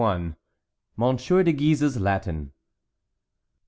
MONSIEUR DE GUISE'S LATIN.